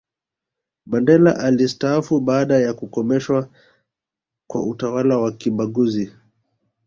mandela alisitaafu baada ya kukomeshwa kwa utawala wa kibaguzi